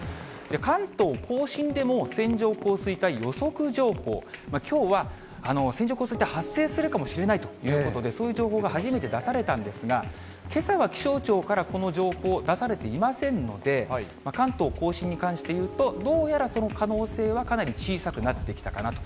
関東甲信でも、線状降水帯予測情報、きょうは線状降水帯、発生するかもしれないということで、そういう情報が初めて出されたんですが、けさは気象庁から、この情報、出されていませんので、関東甲信に関していうと、どうやら、その可能性はかなり小さくなってきたかなと。